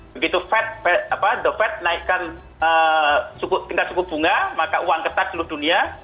begitu fed naikkan pintar suku bunga maka uang ketat seluruh dunia